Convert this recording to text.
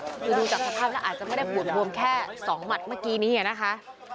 คือดูจากสภาพแล้วอาจจะไม่ได้ปวดบวมแค่๒หมัดเมื่อกี้นี้นะคะ